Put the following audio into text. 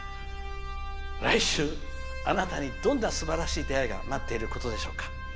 来週、あなたにどんなすばらしい出会いが待っていることでしょうか。